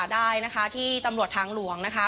ได้นะคะที่ตำรวจทางหลวงนะคะ